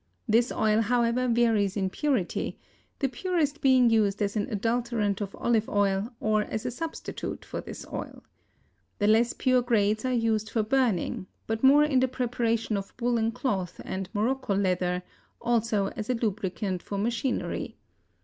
This oil, however, varies in purity, the purest being used as an adulterant of olive oil or as a substitute for this oil. The less pure grades are used for burning, but more in the preparation of woollen cloth and morocco leather, also as a lubricant for machinery.